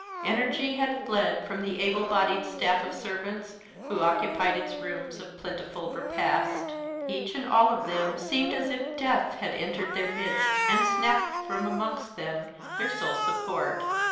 Energy had fled from the able bodied staff of servants who occupied its rooms of plentiful repast. Each and all of them seemed as if death had entered their midst and snapped from amongst them their sole support.